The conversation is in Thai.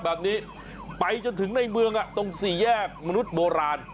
แบบนี้ไปจนถึงในเมืองตรงสี่แยกมนุษย์โบราณ